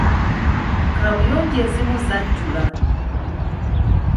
Kaabuyonjo ezimu zajjula.